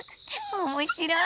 おもしろい。